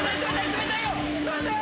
冷たいよ！